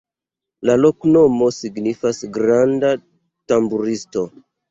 La loknomo signifas: granda-tamburisto.